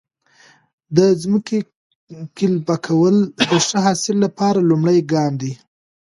د ځمکې قلبه کول د ښه حاصل لپاره لومړی ګام دی.